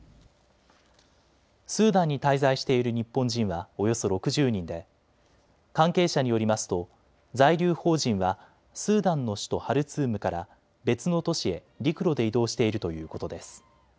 スーダンに滞在している日本人はおよそ６０人で関係者によりますと在留邦人はスーダンの首都ハルツームから別の都市へ陸路で移動しているということです。